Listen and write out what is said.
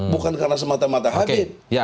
bukan karena semata mata habib